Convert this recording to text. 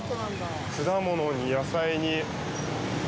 果物に、野菜に。